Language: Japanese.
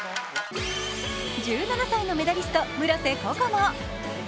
１７歳のメダリスト・村瀬心椛。